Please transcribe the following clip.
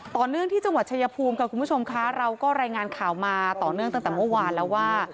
คุณผู้ชมคะเราก็รายงานข่าวมาต่อเนื่องตั้งแต่เมื่อวานแล้วว่า